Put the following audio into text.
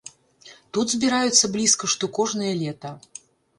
Тут збіраюцца блізка што кожнае лета.